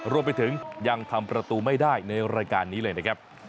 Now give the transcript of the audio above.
รวมไปถึงยังทำประตูไม่ได้ในรายการนี้เลยนะครับ